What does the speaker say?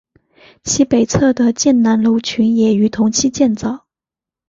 其北侧的建南楼群也于同期建造。